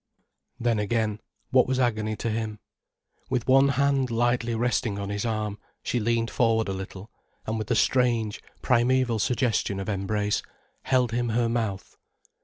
Then again, what was agony to him, with one hand lightly resting on his arm, she leaned forward a little, and with a strange, primeval suggestion of embrace, held him her mouth.